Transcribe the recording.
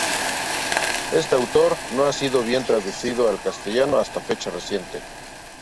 Este autor no ha sido bien traducido al castellano hasta fecha reciente.